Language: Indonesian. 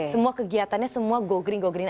semua kegiatannya semua go green googring